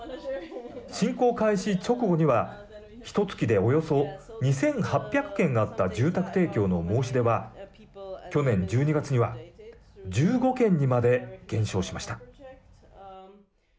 侵攻開始直後にはひとつきでおよそ２８００件あった住宅提供の申し出は去年１２月には１５件にまで減少しました。